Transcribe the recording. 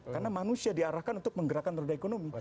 karena manusia diarahkan untuk menggerakkan roda ekonomi